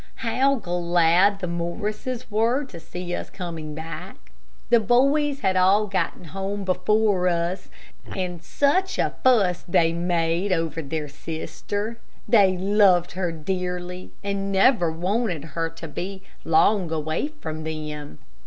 How glad the Morrises were to see us coming back. The boys had all gotten home before us, and such a fuss as they did make over their sister. They loved her dearly, and never wanted her to be long away from them.